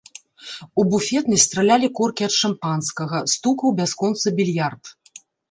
У буфетнай стралялі коркі ад шампанскага, стукаў бясконца більярд.